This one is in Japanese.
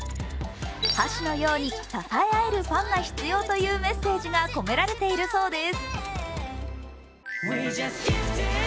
箸のように支え合えるファンが必要というメッセージが込められているそうです。